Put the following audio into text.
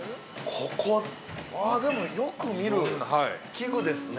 ここ◆あ、でも、よく見る器具ですね。